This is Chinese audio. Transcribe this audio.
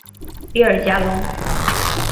比尔加龙。